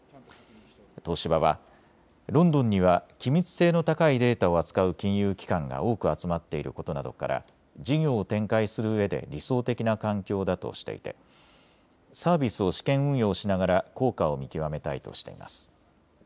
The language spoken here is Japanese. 東芝はロンドンには機密性の高いデータを扱う金融機関が多く集まっていることなどから事業を展開するうえで理想的な環境だとしていてサービスを試験運用しながら効果を見極めたいとしています。